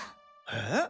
えっ？